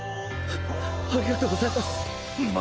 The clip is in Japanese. ありがとうございます。